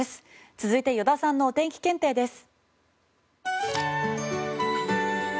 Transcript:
続いて依田さんのお天気検定です。